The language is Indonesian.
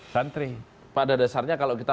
santri pada dasarnya kalau kita